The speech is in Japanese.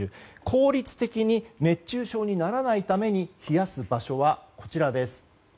効率的に熱中症にならないために冷やす場所は、こちらです。